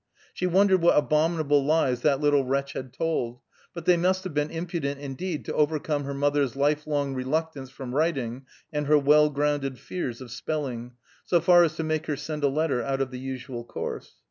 She wondered what abominable lies that little wretch had told; but they must have been impudent indeed to overcome her mother's life long reluctance from writing and her well grounded fears of spelling, so far as to make her send a letter out of the usual course.